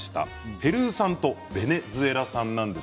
ペルー産とベネズエラ産です。